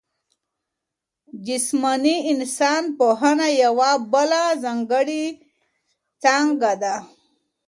جسماني انسان پوهنه یوه بله ځانګړې څانګه ده.